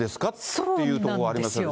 っていうところがありますよね。